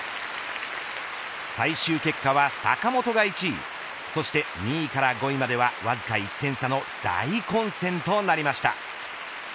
最終結果は、坂本が１位そして２位から５位まではわずか１点差の大混戦となりました。